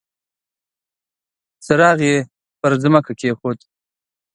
څراغ يې پر ځمکه کېښود.